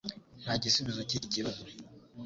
Nta gisubizo cyiki kibazo